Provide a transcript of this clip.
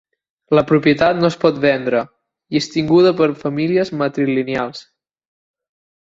La propietat no es pot vendre i és tinguda per famílies matrilineals.